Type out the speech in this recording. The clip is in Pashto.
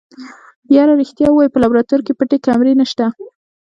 يره رښتيا ووايه په لابراتوار کې پټې کمرې نشته.